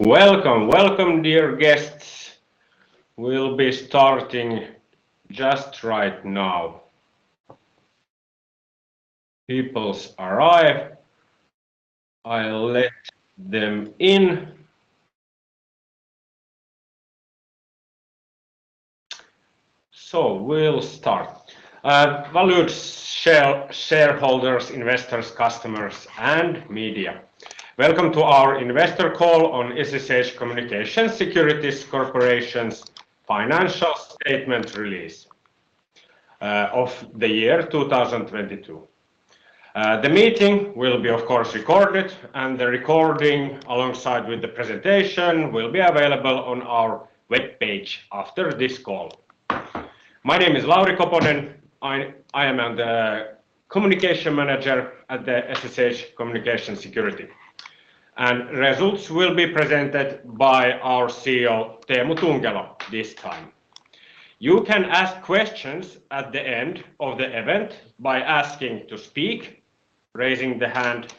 Welcome, welcome, dear guests. We'll be starting just right now. People arrive, I let them in. We'll start. Valued shareholders, investors, customers, and media, welcome to our investor call on SSH Communications Security Corporation's financial statement release of the year 2022. The meeting will be, of course, recorded, and the recording, alongside with the presentation, will be available on our webpage after this call. My name is Lauri Koponen. I am the Communications Manager at the SSH Communications Security. Results will be presented by our CEO, Teemu Tunkelo, this time. You can ask questions at the end of the event by asking to speak, raising the hand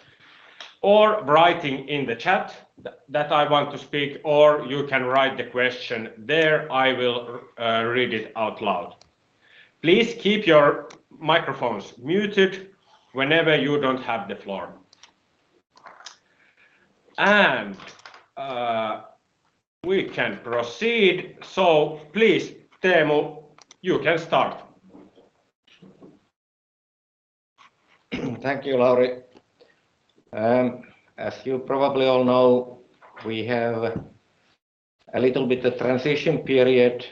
or writing in the chat that, "I want to speak," or you can write the question there. I will read it out loud. Please keep your microphones muted whenever you don't have the floor. We can proceed. Please, Teemu, you can start. Thank you, Lauri. As you probably all know, we have a little bit of transition period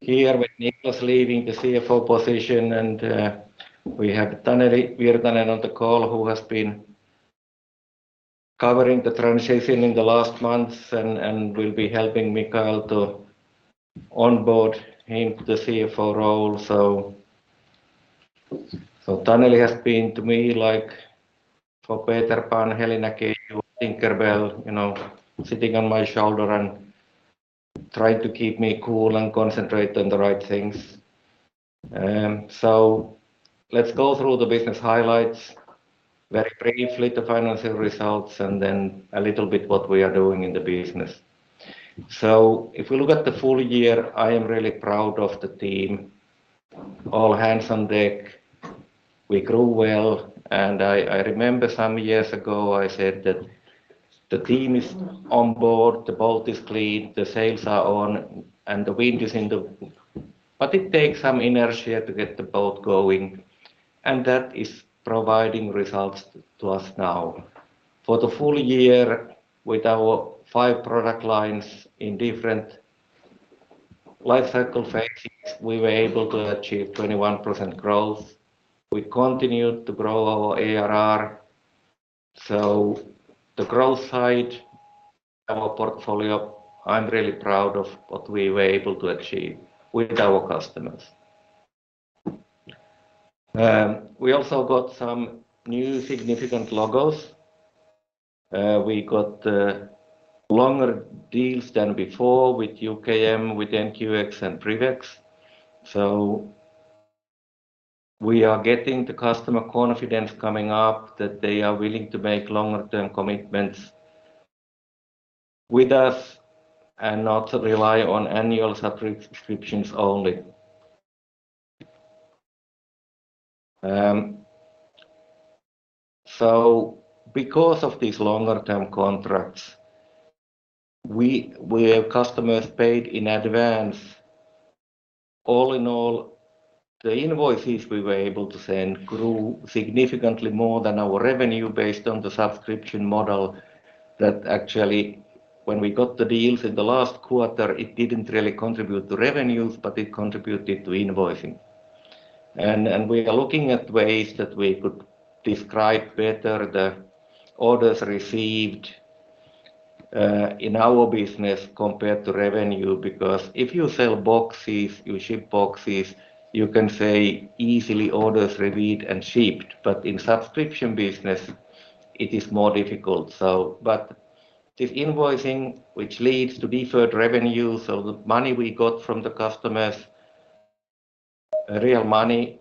here with Niklas leaving the CFO position and we have Taneli Virtanen on the call who has been covering the transition in the last months and will be helping Michael to onboard into the CFO role. Taneli has been to me like for Peter Pan, Helena, Tinker Bell, you know, sitting on my shoulder and trying to keep me cool and concentrate on the right things. Let's go through the business highlights very briefly, the financial results, and then a little bit what we are doing in the business. If we look at the full year, I am really proud of the team. All hands on deck. We grew well, I remember some years ago, I said that the team is on board, the boat is clean, the sails are on, and the wind is in the... It takes some inertia to get the boat going, and that is providing results to us now. For the full year with our five product lines in different life cycle phases, we were able to achieve 21% growth. We continued to grow our ARR. The growth side of our portfolio, I'm really proud of what we were able to achieve with our customers. We also got some new significant logos. We got longer deals than before with UKM, with NQX, and PrivX. We are getting the customer confidence coming up that they are willing to make longer term commitments with us and not rely on annual subscriptions only. Because of these longer term contracts, we have customers paid in advance. All in all, the invoices we were able to send grew significantly more than our revenue based on the subscription model that actually when we got the deals in the last quarter, it didn't really contribute to revenues, but it contributed to invoicing. We are looking at ways that we could describe better the orders received in our business compared to revenue because if you sell boxes, you ship boxes, you can say easily orders received and shipped, but in subscription business it is more difficult. This invoicing which leads to deferred revenue, the money we got from the customers, real money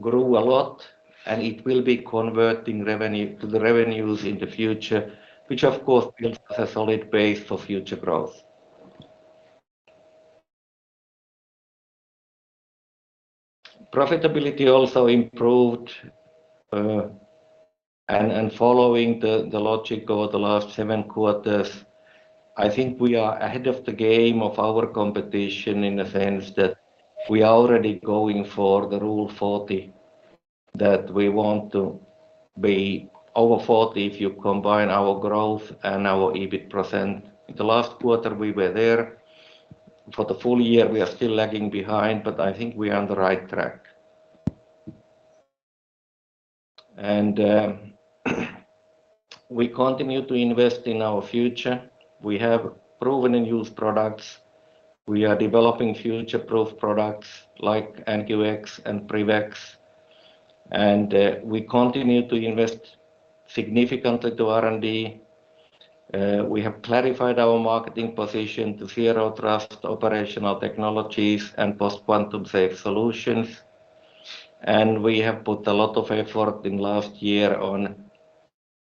grew a lot and it will be converting revenue to the revenues in the future which of course builds a solid base for future growth. Profitability also improved, and following the logic over the last seven quarters, I think we are ahead of the game of our competition in the sense that we are already going for the Rule of 40 that we want to be over 40 if you combine our growth and our EBIT %. In the last quarter we were there. For the full year we are still lagging behind, but I think we are on the right track. We continue to invest in our future. We have proven and used products. We are developing future-proof products like NQX and PrivX, and we continue to invest significantly to R&D. We have clarified our marketing position to zero trust operational technologies and post-quantum safe solutions. We have put a lot of effort in last year on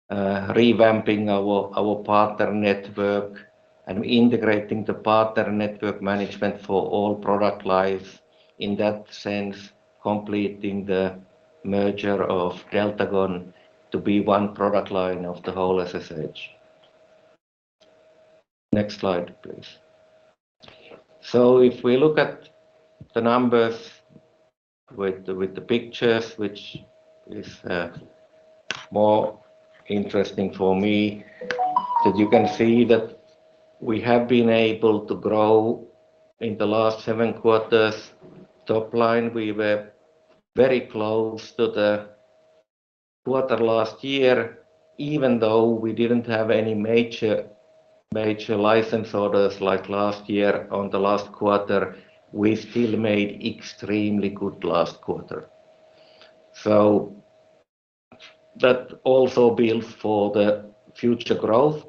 revamping our partner network and integrating the partner network management for all product life. In that sense, completing the merger of Deltagon to be one product line of the whole SSH. Next slide, please. If we look at the numbers with the pictures, which is more interesting for me, that you can see that we have been able to grow in the last seven quarters top line. We were very close to the quarter last year, even though we didn't have any major license orders like last year on the last quarter, we still made extremely good last quarter. That also builds for the future growth.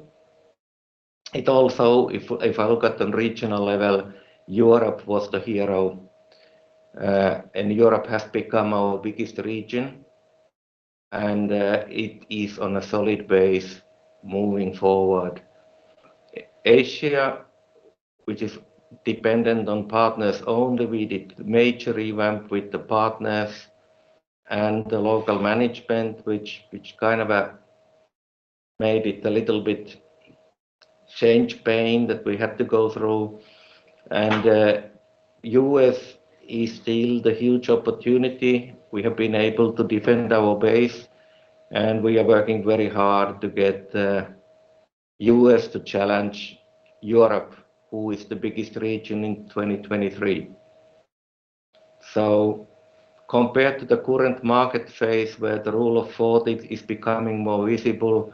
It also, if I look at the regional level, Europe was the hero, and Europe has become our biggest region, and it is on a solid base moving forward. Asia, which is dependent on partners only, we did major revamp with the partners and the local management, which kind of made it a little bit change pain that we had to go through. U.S. is still the huge opportunity. We have been able to defend our base, and we are working very hard to get U.S. to challenge Europe, who is the biggest region in 2023. Compared to the current market phase where the Rule of 40 is becoming more visible,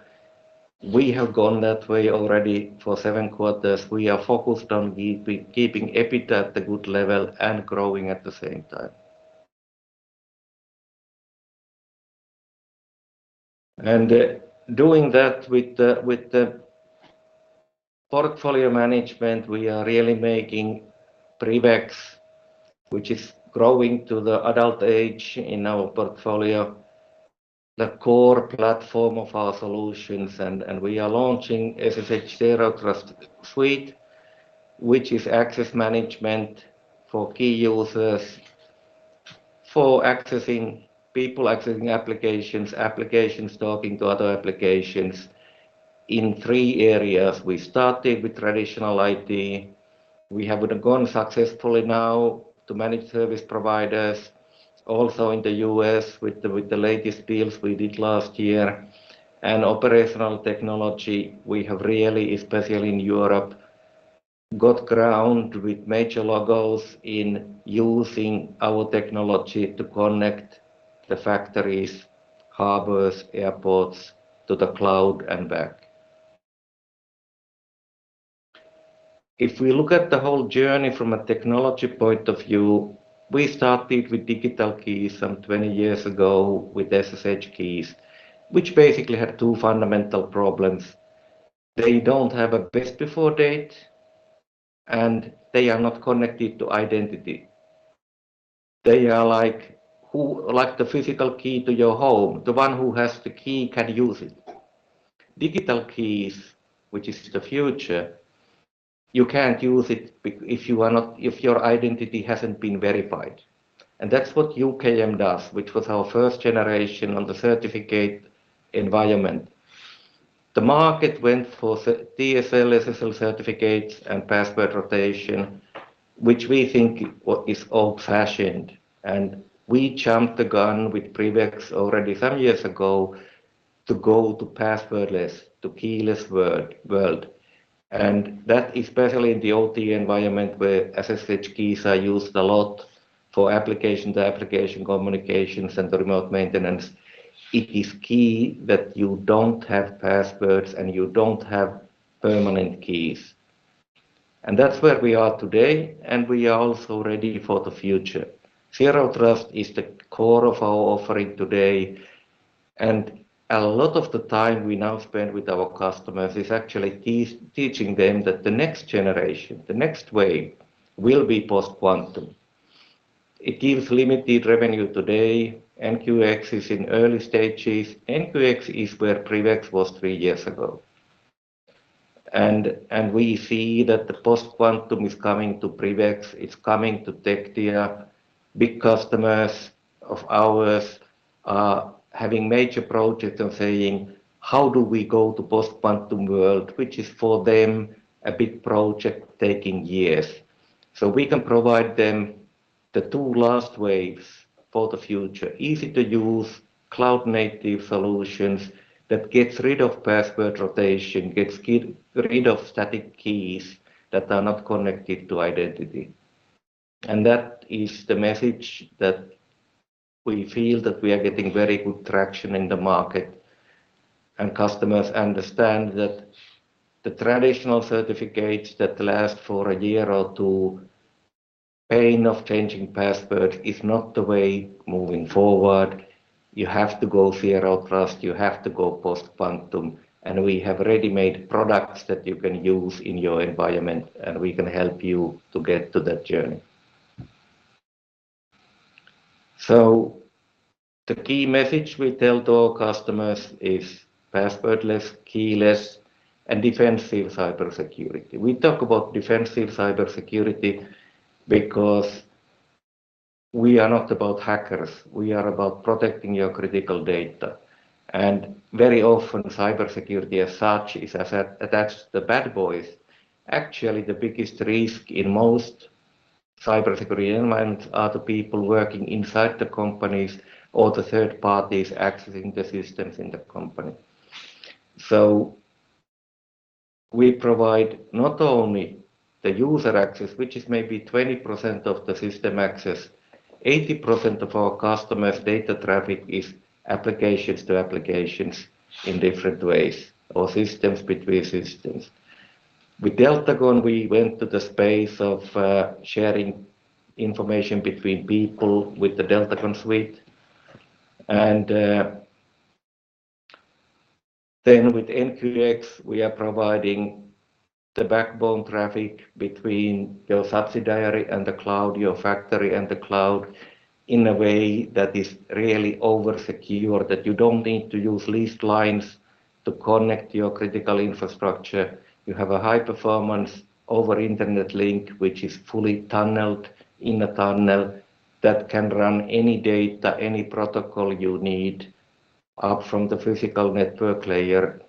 we have gone that way already for seven quarters. We are focused on keeping EBITDA at a good level and growing at the same time. Doing that with the, with the portfolio management, we are really making PrivX, which is growing to the adult age in our portfolio, the core platform of our solutions. We are launching SSH Zero Trust Suite, which is access management for key users for accessing people, accessing applications talking to other applications in three areas. We started with traditional IT. We have gone successfully now to managed service providers also in the U.S. with the, with the latest deals we did last year. Operational technology, we have really, especially in Europe, got ground with major logos in using our technology to connect the factories, harbors, airports to the cloud and back. If we look at the whole journey from a technology point of view, we started with digital keys some 20 years ago with SSH keys, which basically had two fundamental problems. They don't have a best before date. They are not connected to identity. They are like like the physical key to your home. The one who has the key can use it. Digital keys, which is the future, you can't use it if you are if your identity hasn't been verified. That's what UKM does, which was our first generation on the certificate environment. The market went for DSL, SSL certificates and password rotation, which we think is old-fashioned. We jumped the gun with PrivX already some years ago to go to passwordless, to keyless world. That, especially in the OT environment where SSH keys are used a lot for application to application communications and remote maintenance, it is key that you don't have passwords and you don't have permanent keys. That's where we are today, and we are also ready for the future. Zero trust is the core of our offering today, and a lot of the time we now spend with our customers is actually teaching them that the next generation, the next wave will be post-quantum. It gives limited revenue today. NQX is in early stages. NQX is where PrivX was three years ago. We see that the post-quantum is coming to PrivX, it's coming to Tectia. Big customers of ours are having major projects and saying, "How do we go to post-quantum world?" Which is for them a big project taking years. We can provide them the two last waves for the future. Easy to use, cloud-native solutions that gets rid of password rotation, gets rid of static keys that are not connected to identity. That is the message that we feel that we are getting very good traction in the market, and customers understand that the traditional certificates that last for a year or two. Pain of changing passwords is not the way moving forward. You have to go zero trust. You have to go post-quantum. We have ready-made products that you can use in your environment, and we can help you to get to that journey. The key message we tell to our customers is passwordless, keyless, and defensive cybersecurity. We talk about defensive cybersecurity because we are not about hackers. We are about protecting your critical data. Very often, cybersecurity as such is attached to the bad boys. Actually, the biggest risk in most cybersecurity environments are the people working inside the companies or the third parties accessing the systems in the company. We provide not only the user access, which is maybe 20% of the system access. 80% of our customers' data traffic is applications to applications in different ways or systems between systems. With Deltagon, we went to the space of sharing information between people with the Deltagon suite. With NQX, we are providing the backbone traffic between your subsidiary and the cloud, your factory and the cloud in a way that is really over-secure, that you don't need to use leased lines to connect your critical infrastructure. You have a high performance over internet link, which is fully tunneled in a tunnel that can run any data, any protocol you need up from the physical network layer.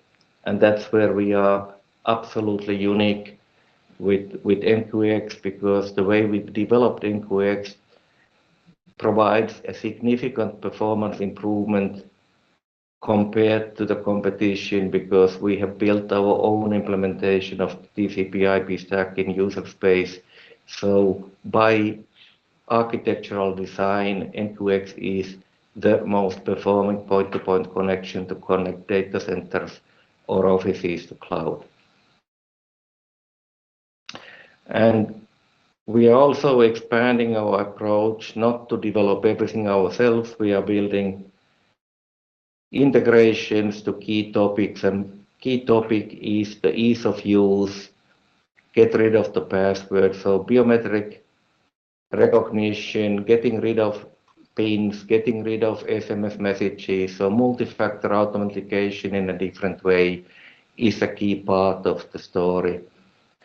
That's where we are absolutely unique with NQX, because the way we've developed NQX provides a significant performance improvement compared to the competition because we have built our own implementation of TCP/IP stack in user space. By architectural design, NQX is the most performing point-to-point connection to connect data centers or offices to cloud. We are also expanding our approach not to develop everything ourselves. We are building integrations to key topics, and key topic is the ease of use, get rid of the password. Biometric recognition, getting rid of pins, getting rid of SMS messages. Multi-factor authentication in a different way is a key part of the story.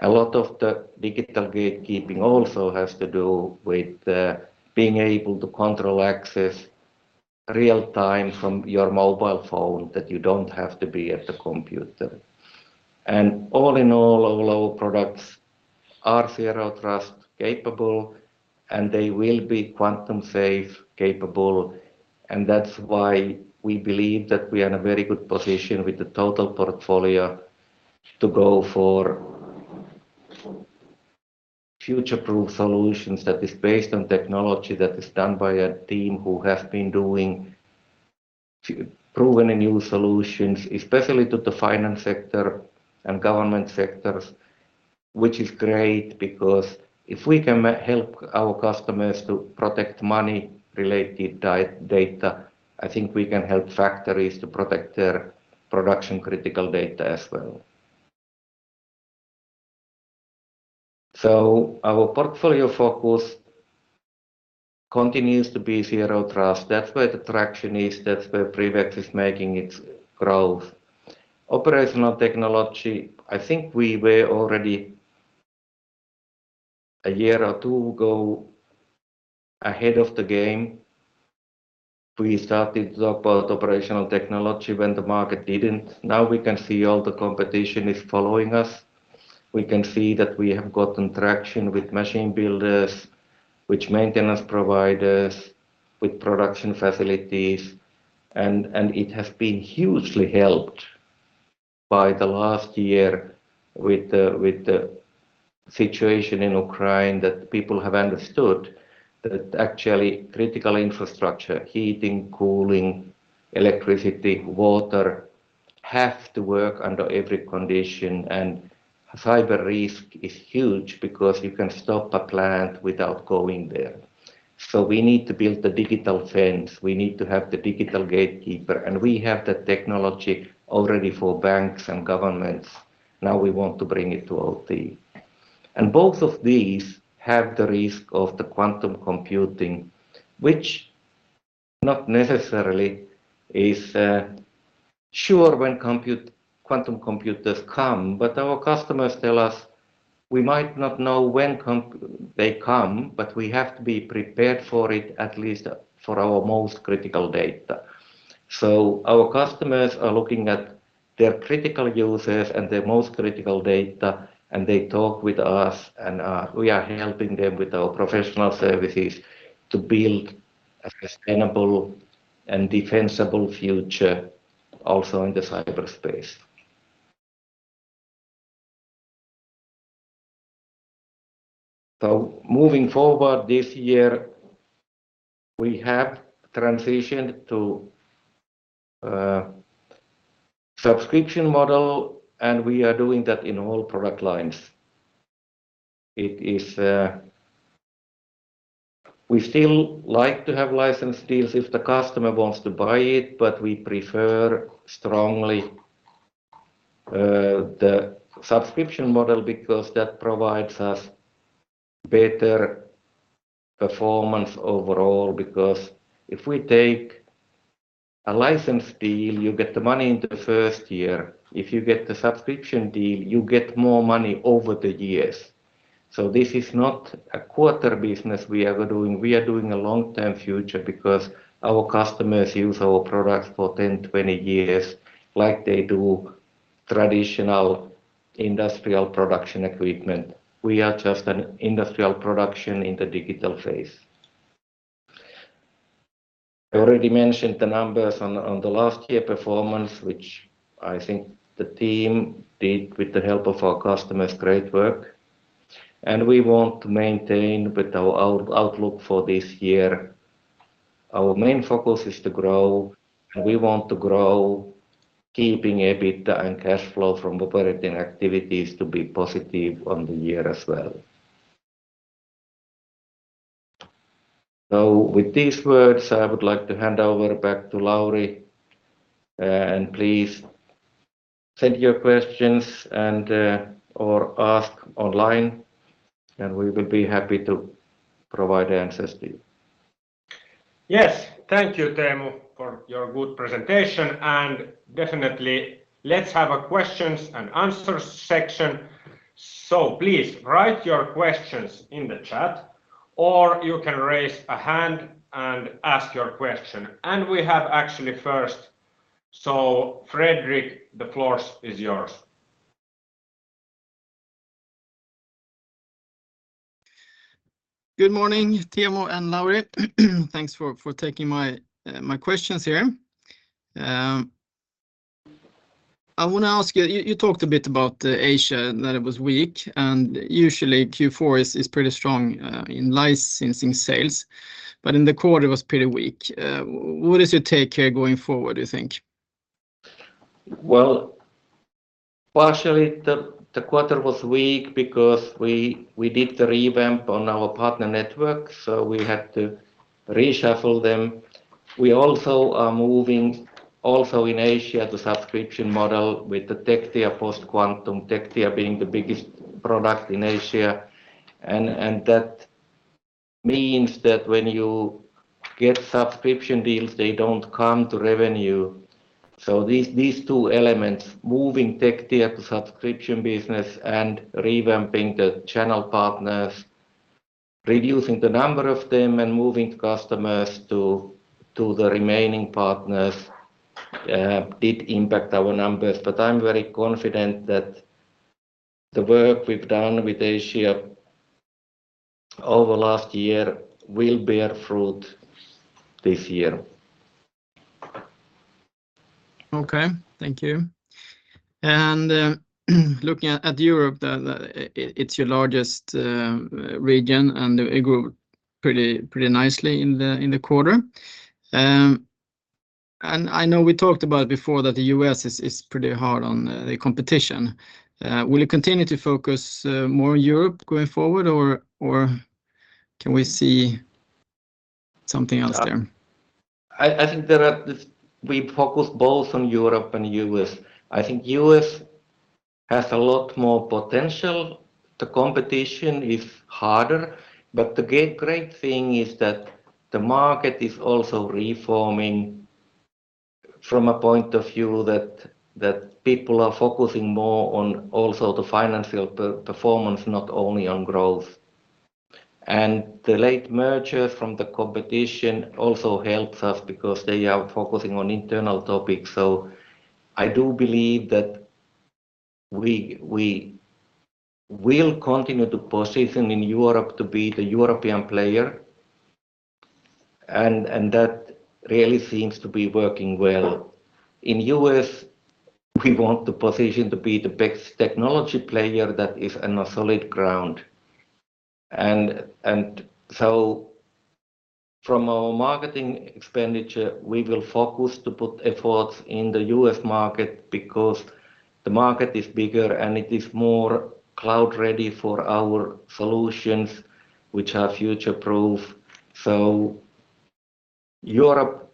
A lot of the digital gatekeeping also has to do with being able to control access real time from your mobile phone, that you don't have to be at the computer. All in all our products are zero-trust capable, and they will be quantum safe capable. That's why we believe that we are in a very good position with the total portfolio to go for future-proof solutions that is based on technology that is done by a team who have been doing proven and new solutions, especially to the finance sector and government sectors, which is great because if we can help our customers to protect money-related data, I think we can help factories to protect their production critical data as well. Our portfolio focus continues to be zero trust. That's where the traction is. That's where PrivX is making its growth. Operational technology, I think we were already a year or two ago ahead of the game. We started to talk about operational technology when the market didn't. Now we can see all the competition is following us. We can see that we have gotten traction with machine builders, with maintenance providers, with production facilities, and it has been hugely helped by the last year with the situation in Ukraine that people have understood that actually critical infrastructure, heating, cooling, electricity, water, have to work under every condition. Cyber risk is huge because you can stop a plant without going there. We need to build the digital fence. We need to have the digital gatekeeper, and we have the technology already for banks and governments. Now we want to bring it to OT. Both of these have the risk of the quantum computing, which not necessarily is sure when quantum computers come, but our customers tell us we might not know when they come, but we have to be prepared for it, at least for our most critical data. Our customers are looking at their critical users and their most critical data, and they talk with us, and we are helping them with our professional services to build a sustainable and defensible future also in the cyberspace. Moving forward this year, we have transitioned to a subscription model, and we are doing that in all product lines. It is, we still like to have license deals if the customer wants to buy it, but we prefer strongly the subscription model because that provides us better performance overall. Because if we take a license deal, you get the money in the first year. If you get the subscription deal, you get more money over the years. This is not a quarter business we are doing. We are doing a long-term future because our customers use our products for 10, 20 years like they do traditional industrial production equipment. We are just an industrial production in the digital phase. I already mentioned the numbers on the last year performance, which I think the team did with the help of our customers, great work. We want to maintain with our out-outlook for this year. Our main focus is to grow, and we want to grow keeping EBITA and cash flow from operating activities to be positive on the year as well. With these words, I would like to hand over back to Lauri, and please send your questions or ask online, and we will be happy to provide answers to you. Yes. Thank you, Teemu, for your good presentation. Definitely let's have a questions and answers section. Please write your questions in the chat, or you can raise a hand and ask your question. We have actually first, Fredrik, the floors is yours. Good morning, Teemu and Lauri. Thanks for taking my questions here. I wanna ask you talked a bit about Asia, that it was weak, and usually Q4 is pretty strong in licensing sales, but in the quarter it was pretty weak. What is your take here going forward, you think? Well, partially the quarter was weak because we did the revamp on our partner network, so we had to reshuffle them. We also are moving also in Asia to subscription model with the Tectia post-quantum, Tectia being the biggest product in Asia. That means that when you get subscription deals, they don't come to revenue. These two elements, moving Tectia to subscription business and revamping the channel partners, reducing the number of them, and moving customers to the remaining partners, did impact our numbers. I'm very confident that the work we've done with Asia over last year will bear fruit this year. Okay. Thank you. Looking at Europe, it's your largest region, and it grew pretty nicely in the quarter. I know we talked about before that the U.S. is pretty hard on the competition. Will you continue to focus more on Europe going forward, or can we see something else there? I think there are. We focus both on Europe and US. I think US has a lot more potential. The competition is harder, but the great thing is that the market is also reforming from a point of view that people are focusing more on also the financial performance, not only on growth. The late mergers from the competition also helps us because they are focusing on internal topics. I do believe that we will continue to position in Europe to be the European player and that really seems to be working well. In US, we want the position to be the best technology player that is on a solid ground. So from our marketing expenditure, we will focus to put efforts in the US market because the market is bigger and it is more cloud ready for our solutions, which are future proof. Europe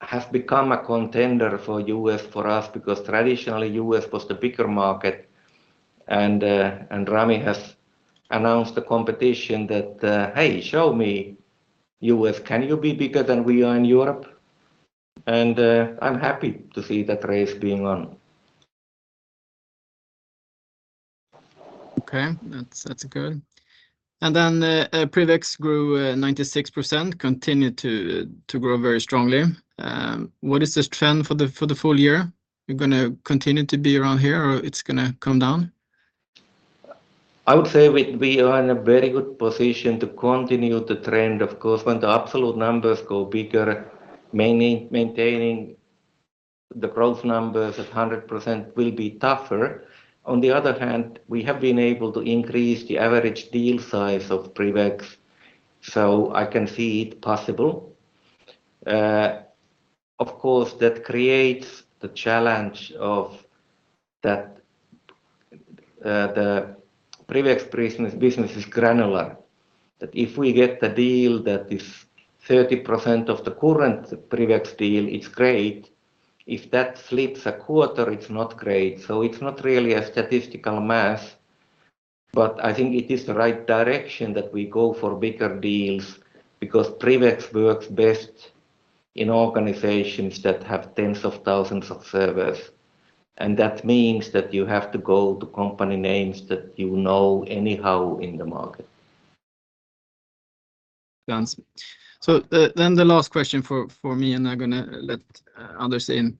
has become a contender for US for us because traditionally US was the bigger market. Rami has announced the competition that, "Hey, show me US. Can you be bigger than we are in Europe?" I'm happy to see that race being on. Okay. That's good. Then, PrivX grew 96%, continued to grow very strongly. What is the trend for the full year? You're gonna continue to be around here, or it's gonna come down? I would say we are in a very good position to continue the trend. Of course, when the absolute numbers go bigger, maintaining the growth numbers at 100% will be tougher. On the other hand, we have been able to increase the average deal size of PrivX, so I can see it possible. Of course, that creates the challenge of that the PrivX business is granular, that if we get the deal that is 30% of the current PrivX deal, it's great. If that slips a quarter, it's not great. So it's not really a statistical mass, but I think it is the right direction that we go for bigger deals because PrivX works best in organizations that have tens of thousands of servers. That means that you have to go to company names that you know anyhow in the market. Good answer. The last question for me, and I'm gonna let others in.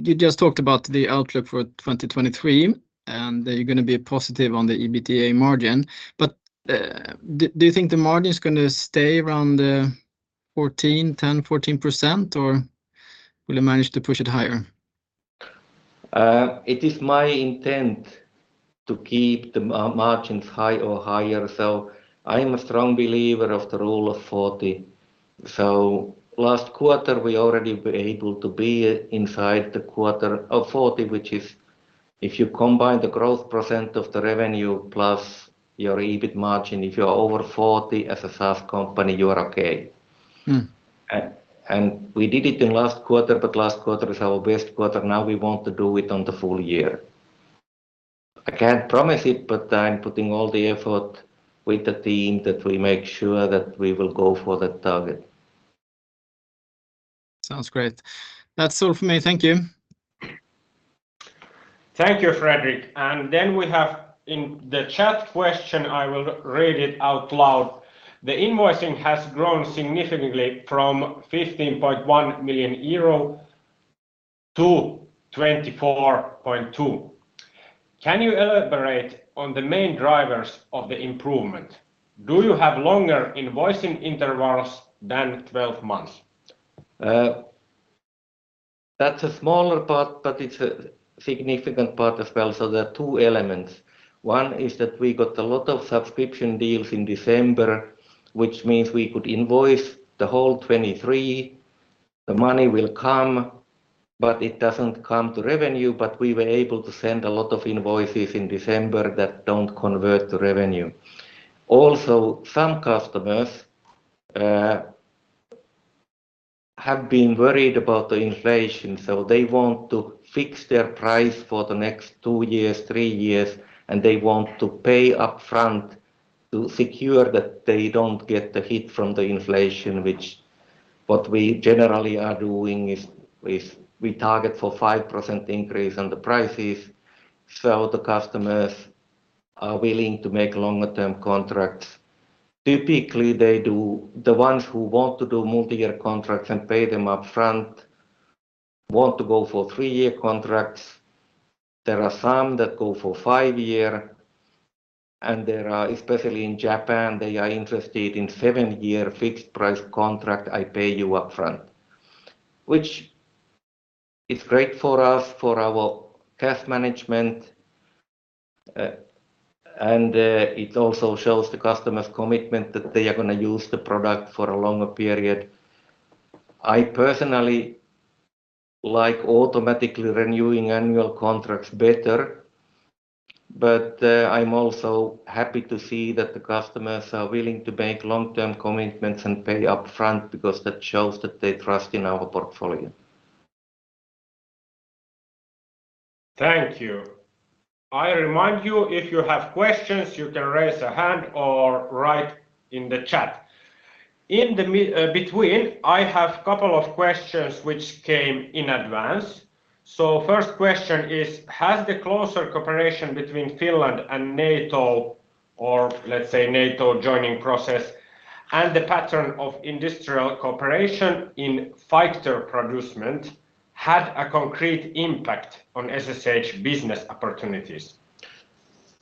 You just talked about the outlook for 2023, and you're gonna be positive on the EBITDA margin. Do you think the margin is gonna stay around 14, 10, 14%, or will you manage to push it higher? It is my intent to keep the margins high or higher. I am a strong believer of the Rule of 40. Last quarter, we already were able to be inside the quarter of 40, which is if you combine the growth % of the revenue plus your EBIT margin, if you are over 40 as a SaaS company, you are okay. Mm. We did it in last quarter, but last quarter is our best quarter. Now we want to do it on the full year. I can't promise it, but I'm putting all the effort with the team that we make sure that we will go for that target. Sounds great. That's all for me. Thank you. Thank you, Fredrik. We have in the chat question, I will read it out loud. The invoicing has grown significantly from 15.1 million euro to 24.2 million. Can you elaborate on the main drivers of the improvement? Do you have longer invoicing intervals than 12 months? That's a smaller part, but it's a significant part as well. There are two elements. One is that we got a lot of subscription deals in December, which means we could invoice the whole 2023. The money will come, but it doesn't come to revenue. We were able to send a lot of invoices in December that don't convert to revenue. Some customers have been worried about the inflation, so they want to fix their price for the next two years, three years, and they want to pay upfront to secure that they don't get the hit from the inflation, which what we generally are doing is we target for 5% increase on the prices. The customers are willing to make longer term contracts. Typically, they do... The ones who want to do multi-year contracts and pay them upfront want to go for three-year contracts. There are some that go for five-year, and there are, especially in Japan, they are interested in seven-year fixed price contract, I pay you upfront, which is great for us, for our cash management. It also shows the customers' commitment that they are gonna use the product for a longer period. I personally like automatically renewing annual contracts better, but I'm also happy to see that the customers are willing to make long-term commitments and pay upfront because that shows that they trust in our portfolio. Thank you. I remind you, if you have questions, you can raise a hand or write in the chat. In the between, I have couple of questions which came in advance. First question is, has the closer cooperation between Finland and NATO, or let's say NATO joining process, and the pattern of industrial cooperation in fighter procurement had a concrete impact on SSH business opportunities?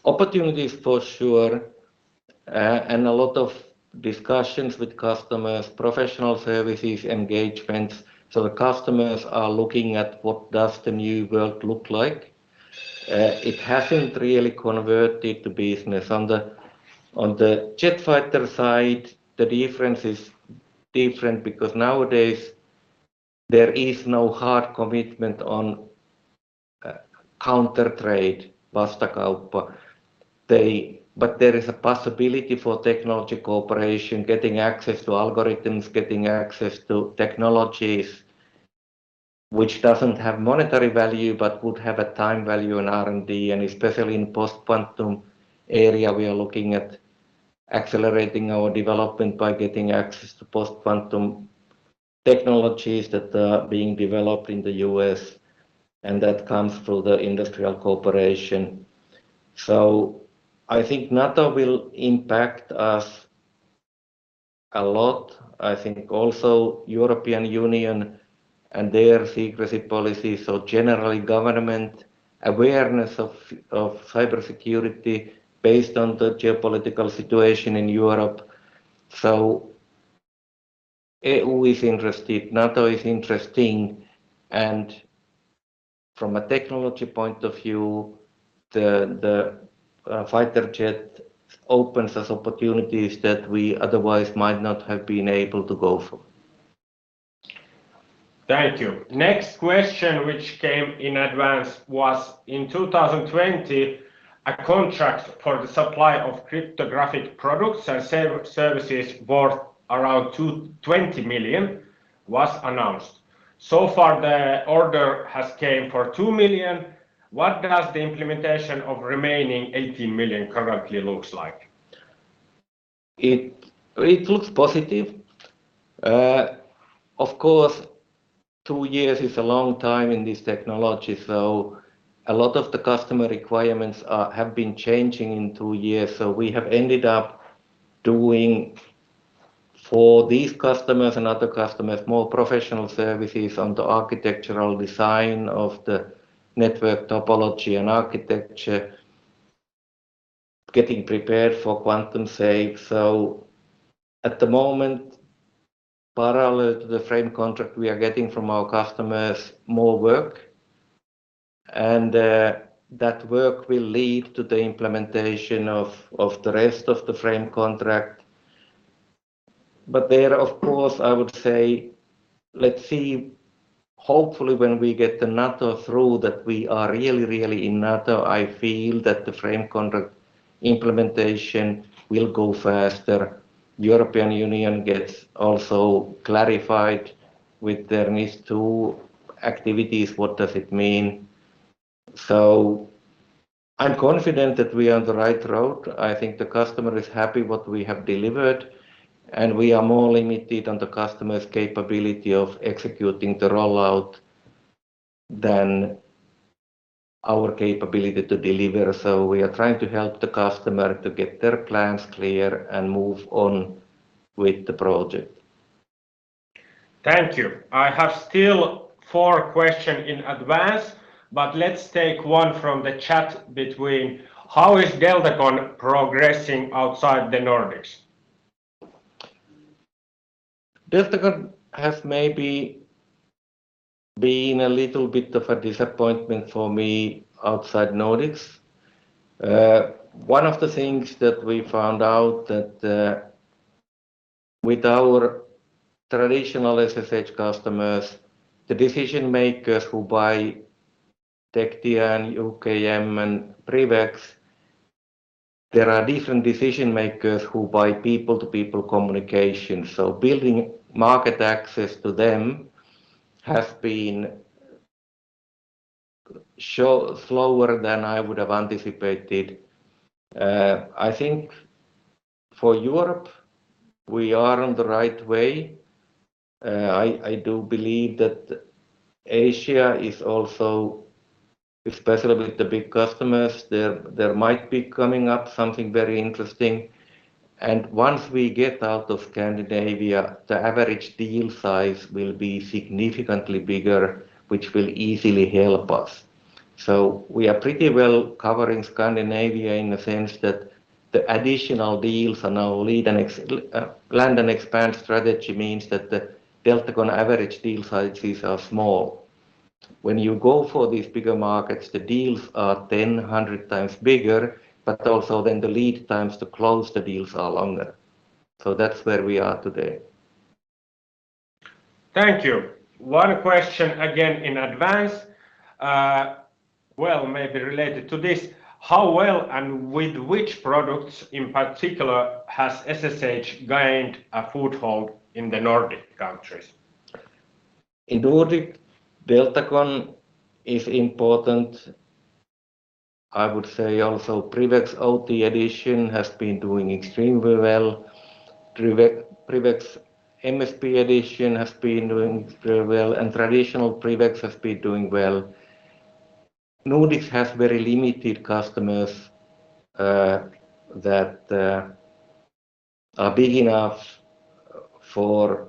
Opportunities for sure, and a lot of discussions with customers, professional services, engagements. The customers are looking at what does the new world look like. It hasn't really converted to business. On the, on the jet fighter side, the difference is different because nowadays there is no hard commitment on counter trade, vastakauppa. There is a possibility for technology cooperation, getting access to algorithms, getting access to technologies which doesn't have monetary value but would have a time value in R&D, and especially in post-quantum area, we are looking at accelerating our development by getting access to post-quantum technologies that are being developed in the U.S., and that comes through the industrial cooperation. I think NATO will impact us a lot. I think also European Union and their secrecy policy, so generally government awareness of cybersecurity based on the geopolitical situation in Europe. EU is interested, NATO is interesting. From a technology point of view, the fighter jet opens us opportunities that we otherwise might not have been able to go for. Thank you. Next question, which came in advance was, in 2020, a contract for the supply of cryptographic products and services worth around 20 million was announced. Far, the order has came for 2 million. What does the implementation of remaining 18 million currently looks like? It looks positive. Of course, two years is a long time in this technology, a lot of the customer requirements have been changing in two years. We have ended up doing for these customers and other customers more professional services on the architectural design of the network topology and architecture, getting prepared for quantum sake. At the moment, parallel to the frame contract, we are getting from our customers more work, and that work will lead to the implementation of the rest of the frame contract. There, of course, I would say let's see. Hopefully, when we get the NATO through that we are really in NATO, I feel that the frame contract implementation will go faster. European Union gets also clarified with their NIS2 activities, what does it mean. I'm confident that we are on the right road. I think the customer is happy what we have delivered. We are more limited on the customer's capability of executing the rollout than our capability to deliver. We are trying to help the customer to get their plans clear and move on with the project. Thank you. I have still four question in advance, but let's take one from the chat between how is Deltagon progressing outside the Nordics? Deltagon has maybe been a little bit of a disappointment for me outside Nordics. One of the things that we found out that with our traditional SSH customers, the decision makers who buy Tectia and UKM and PrivX, there are different decision makers who buy people to people communication. Building market access to them has been slower than I would have anticipated. I think for Europe, we are on the right way. I do believe that Asia is also, especially with the big customers, there might be coming up something very interesting. Once we get out of Scandinavia, the average deal size will be significantly bigger, which will easily help us. We are pretty well covering Scandinavia in the sense that the additional deals and our lead and expand strategy means that the Deltagon average deal sizes are small. When you go for these bigger markets, the deals are 10, 100 times bigger, but also then the lead times to close the deals are longer. That's where we are today. Thank you. One question again in advance. Well, maybe related to this. How well and with which products in particular has SSH gained a foothold in the Nordic countries? In Nordic, Deltagon is important. I would say also PrivX OT Edition has been doing extremely well. PrivX MSP Edition has been doing extremely well, and traditional PrivX has been doing well. Nordics has very limited customers that are big enough for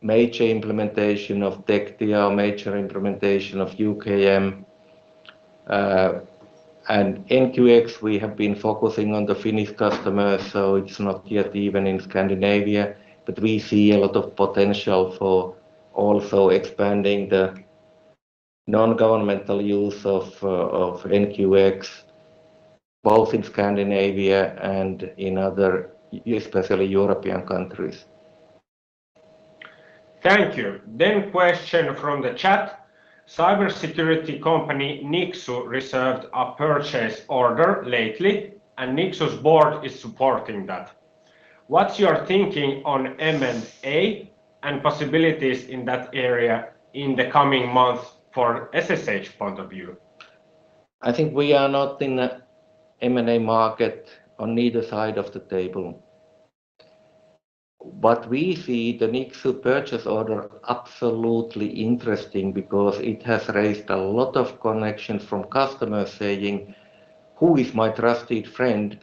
major implementation of Tectia or major implementation of UKM. NQX, we have been focusing on the Finnish customers, so it's not yet even in Scandinavia. We see a lot of potential for also expanding the non-governmental use of NQX, both in Scandinavia and in other, especially European countries. Thank you. Question from the chat. Cybersecurity company Nixu reserved a purchase order lately, and Nixu's board is supporting that. What's your thinking on M&A and possibilities in that area in the coming months for SSH point of view? I think we are not in a M&A market on neither side of the table. We see the Nixu purchase order absolutely interesting because it has raised a lot of connections from customers saying, "Who is my trusted friend?"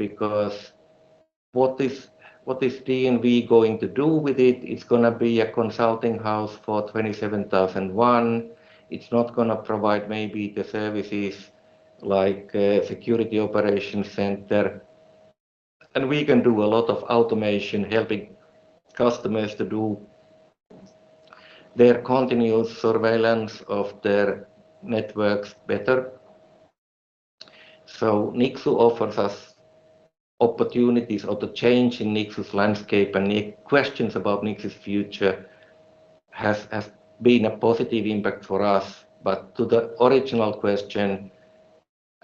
What is TNV going to do with it? It's going to be a consulting house for ISO/IEC 27001. It's not going to provide maybe the services like security operation center. We can do a lot of automation, helping customers to do their continuous surveillance of their networks better. Nixu offers us opportunities of the change in Nixu's landscape, and questions about Nixu's future has been a positive impact for us. To the original question,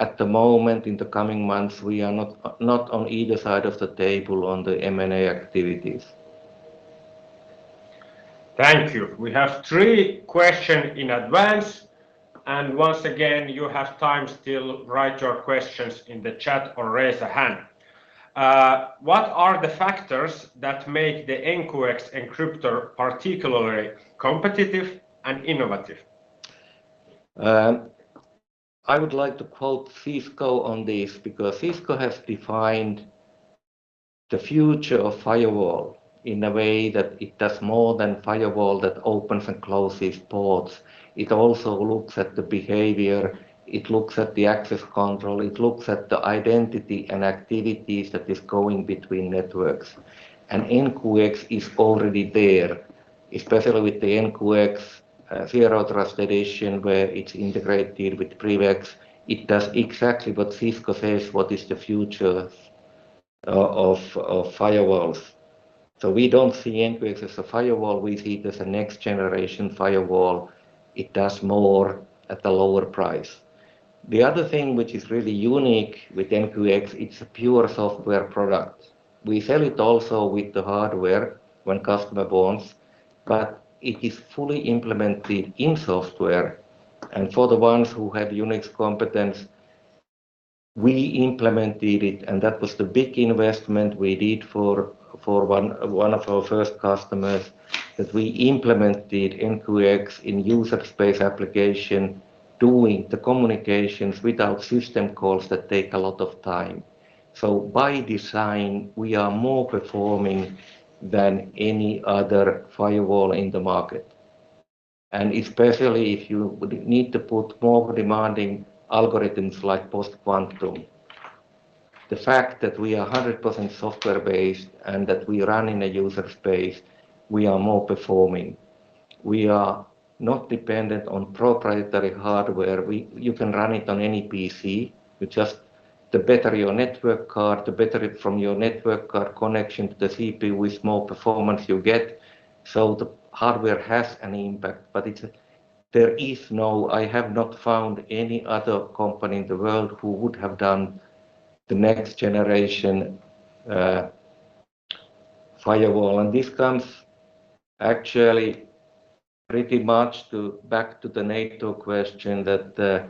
at the moment, in the coming months, we are not on either side of the table on the M&A activities. Thank you. We have three question in advance. Once again, you have time still write your questions in the chat or raise a hand. What are the factors that make the NQX Encryptor particularly competitive and innovative? I would like to quote Cisco on this, because Cisco has defined the future of firewall in a way that it does more than firewall that opens and closes ports. It also looks at the behavior, it looks at the access control, it looks at the identity and activities that is going between networks. NQX is already there, especially with the NQX zero translation, where it's integrated with PrivX. It does exactly what Cisco says, what is the future of firewalls. We don't see NQX as a firewall, we see it as a next generation firewall. It does more at a lower price. The other thing which is really unique with NQX, it's a pure software product. We sell it also with the hardware when customer wants, but it is fully implemented in software. For the ones who have Unix competence, we implemented it, and that was the big investment we did for one of our first customers, that we implemented NQX in user space application, doing the communications without system calls that take a lot of time. By design, we are more performing than any other firewall in the market. Especially if you would need to put more demanding algorithms like post-quantum. The fact that we are 100% software-based and that we run in a user space, we are more performing. We are not dependent on proprietary hardware. You can run it on any PC with just... The better your network card, the better it from your network card connection to the CPU with more performance you get, so the hardware has an impact. It's... I have not found any other company in the world who would have done the next generation firewall. This comes actually pretty much to, back to the NATO question, that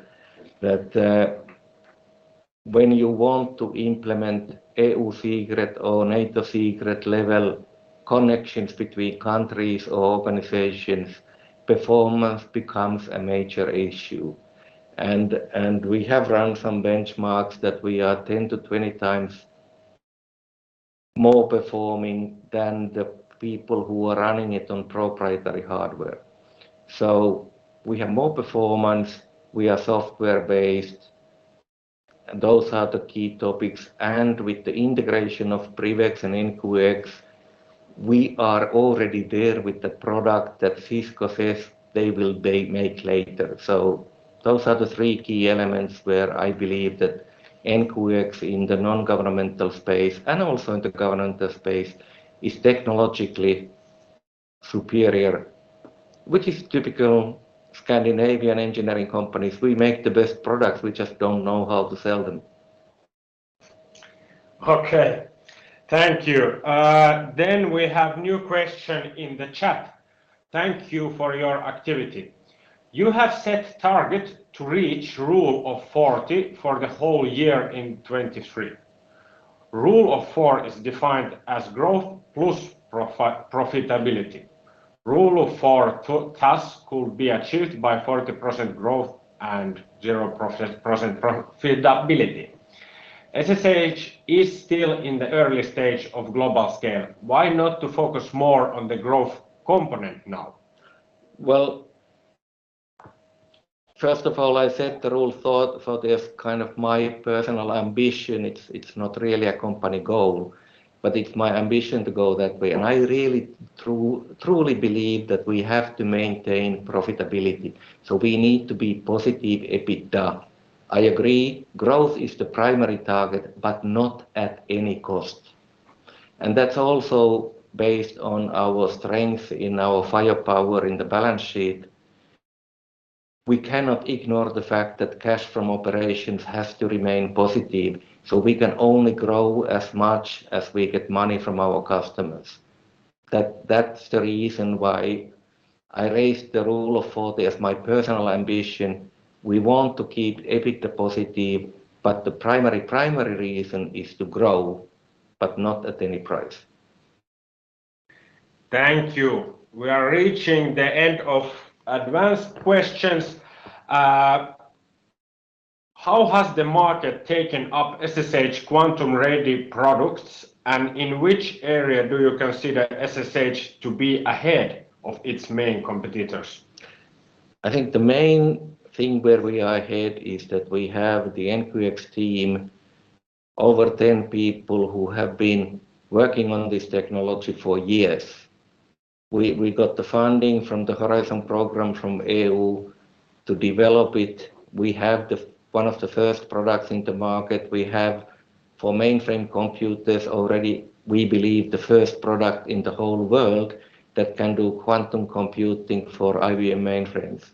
when you want to implement EU SECRET or NATO SECRET level connections between countries or organizations, performance becomes a major issue. We have run some benchmarks that we are 10 to 20 times more performing than the people who are running it on proprietary hardware. We have more performance, we are software-based, those are the key topics. With the integration of PrivX and NQX, we are already there with the product that Cisco says they will be make later. Those are the three key elements where I believe that NQX in the non-governmental space, and also in the governmental space, is technologically superior, which is typical Scandinavian engineering companies. We make the best products, we just don't know how to sell them. Okay. Thank you. We have new question in the chat. Thank you for your activity. You have set target to reach Rule of 40 for the whole year in 2023. Rule of four is defined as growth plus profitability. Rule of four thus could be achieved by 40% growth and 0% profitability. SSH is still in the early stage of global scale. Why not to focus more on the growth component now? Well, first of all, I set the Rule of 40 as kind of my personal ambition. It's not really a company goal, but it's my ambition to go that way. I truly believe that we have to maintain profitability. We need to be positive EBITDA. I agree, growth is the primary target, but not at any cost. That's also based on our strength in our firepower in the balance sheet. We cannot ignore the fact that cash from operations has to remain positive. We can only grow as much as we get money from our customers. That's the reason why I raised the Rule of 40 as my personal ambition. We want to keep EBITDA positive, but the primary reason is to grow, but not at any price. Thank you. We are reaching the end of advanced questions. How has the market taken up SSH quantum-ready products, and in which area do you consider SSH to be ahead of its main competitors? I think the main thing where we are ahead is that we have the NQX team, over 10 people who have been working on this technology for years. We got the funding from the Horizon program from EU to develop it. We have 1 of the 1st products in the market. We have for mainframe computers already, we believe the 1st product in the whole world that can do quantum computing for IBM mainframes.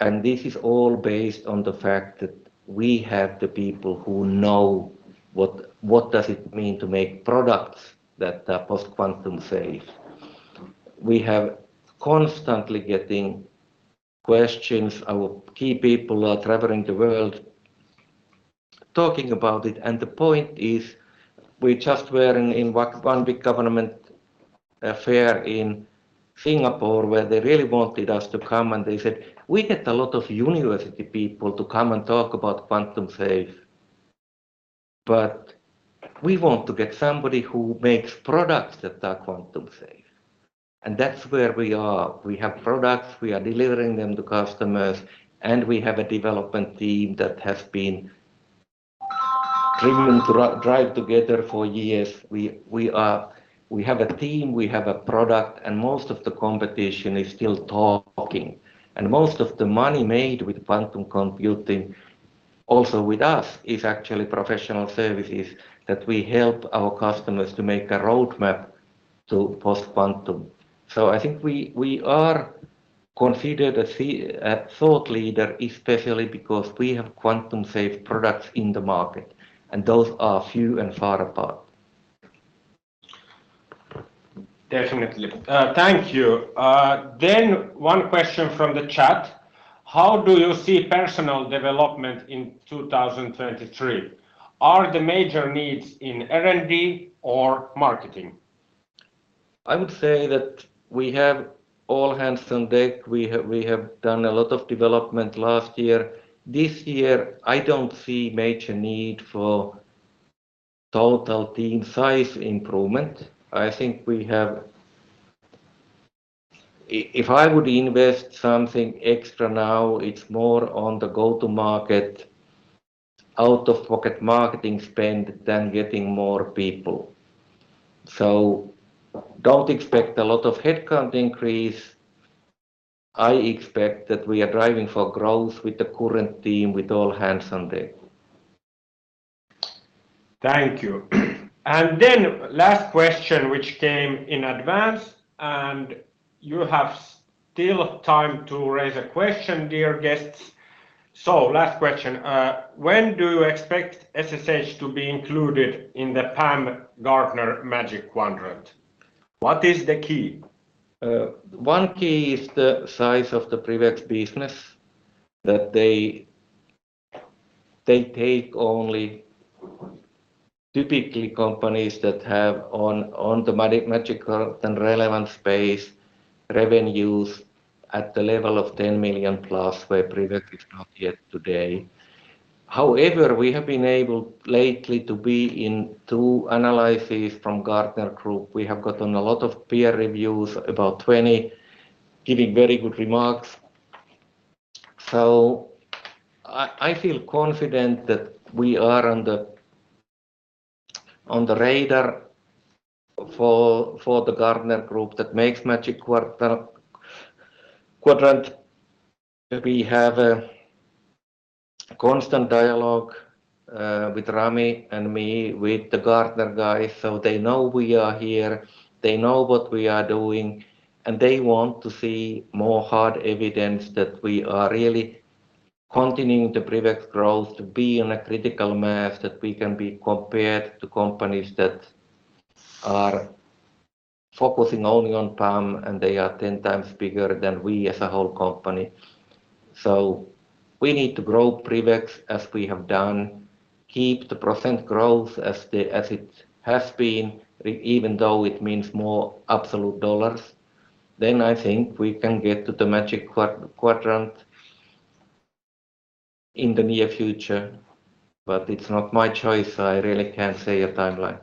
And this is all based on the fact that we have the people who know what does it mean to make products that are post-quantum safe. We have constantly getting questions. Our key people are traveling the world talking about it. The point is we just were in one big government affair in Singapore, where they really wanted us to come, and they said, "We get a lot of university people to come and talk about quantum-safe, but we want to get somebody who makes products that are quantum-safe." That's where we are. We have products. We are delivering them to customers, and we have a development team that has been driven, drive together for years. We have a team, we have a product, and most of the competition is still talking. Most of the money made with quantum computing, also with us, is actually professional services, that we help our customers to make a roadmap to post-quantum. I think we are considered a thought leader especially because we have quantum-safe products in the market, and those are few and far apart. Definitely. Thank you. One question from the chat. How do you see personal development in 2023? Are the major needs in R&D or marketing? I would say that we have all hands on deck. We have done a lot of development last year. This year, I don't see major need for total team size improvement. I think we have if I would invest something extra now, it's more on the go-to-market, out-of-pocket marketing spend than getting more people. Don't expect a lot of headcount increase. I expect that we are driving for growth with the current team with all hands on deck. Thank you. Last question, which came in advance, and you have still time to raise a question, dear guests. Last question. When do you expect SSH to be included in the PAM Gartner Magic Quadrant? What is the key? one key is the size of the PrivX business, that they take only typically companies that have on the magic relevant space revenues at the level of 10 million plus, where PrivX is not yet today. However, we have been able lately to be in two analyses from Gartner Group. We have gotten a lot of peer reviews, about 20, giving very good remarks. I feel confident that we are on the, on the radar for the Gartner Group that makes Magic Quadrant. We have a constant dialogue, with and me, with the Gartner guys. They know we are here, they know what we are doing, and they want to see more hard evidence that we are really continuing the PrivX growth to be in a critical mass, that we can be compared to companies that are focusing only on PAM, and they are 10 times bigger than we as a whole company. We need to grow PrivX as we have done, keep the percent growth as it has been, even though it means more absolute dollars. I think we can get to the Magic Quadrant in the near future. It's not my choice. I really can't say a timeline.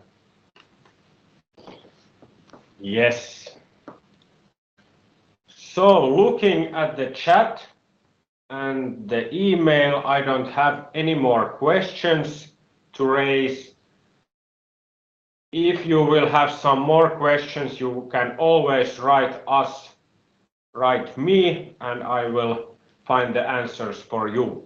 Yes. Looking at the chat and the email, I don't have any more questions to raise. If you will have some more questions, you can always write us, write me, and I will find the answers for you.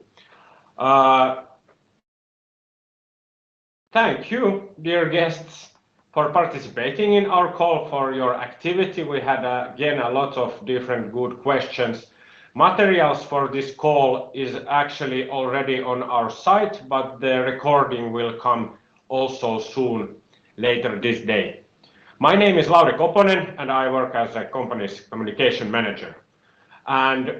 Thank you, dear guests, for participating in our call, for your activity. We had, again, a lot of different good questions. Materials for this call is actually already on our site, but the recording will come also soon, later this day. My name is Lauri Koponen, and I work as a company's communication manager.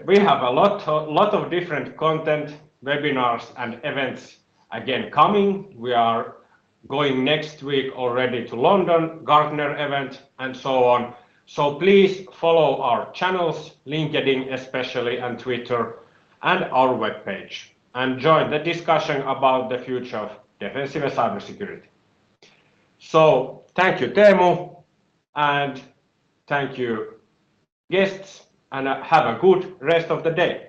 We have a lot of different content, webinars, and events again coming. We are going next week already to London Gartner event, and so on. Please follow our channels, LinkedIn especially, and Twitter, and our webpage, and join the discussion about the future of defensive cybersecurity. Thank you, Teemu, and thank you, guests, and have a good rest of the day.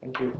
Thank you.